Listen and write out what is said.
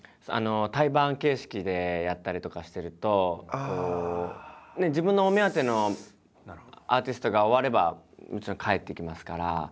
対バン形式でやったりとかしてると自分のお目当てのアーティストが終わればもちろん帰っていきますから。